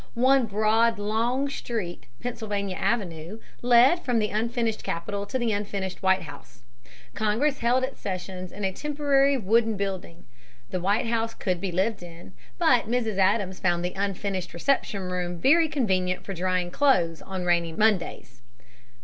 One broad long street, Pennsylvania Avenue, led from the unfinished Capitol to the unfinished White House. Congress held its sessions in a temporary wooden building. The White House could be lived in. But Mrs. Adams found the unfinished reception room very convenient for drying clothes on rainy Mondays.